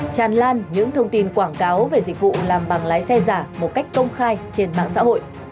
tràn lan những thông tin quảng cáo về dịch vụ làm bằng lái xe giả một cách công khai trên mạng xã hội